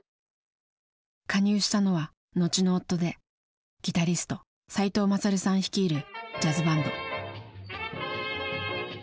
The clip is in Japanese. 加入したのは後の夫でギタリスト齋藤勝さん率いるジャズバンド。